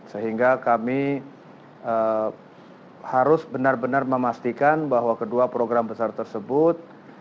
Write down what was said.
sehingga kami harus benar benar memastikan bahwa kedua program besar tersebut